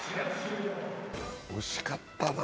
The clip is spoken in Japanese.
惜しかったな。